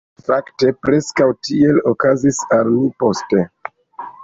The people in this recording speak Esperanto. Fakte, preskaŭ tiel okazis al mi poste.